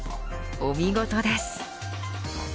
お見事です。